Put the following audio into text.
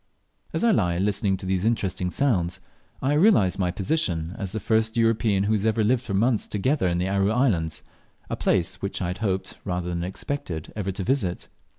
As I lie listening to these interesting sounds, I realize my position as the first European who has ever lived for months together in the Aru islands, a place which I had hoped rather than expected ever to visit.